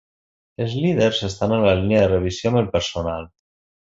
Els líders estan en la línia de revisió amb el personal.